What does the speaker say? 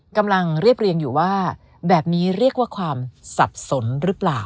กำลังเรียบเรียงอยู่ว่าแบบนี้เรียกว่าความสับสนหรือเปล่า